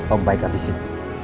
om baik habisin